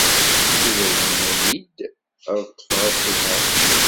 Yuba yenna-iyi-d ad ḍḍfeɣ asihaṛ.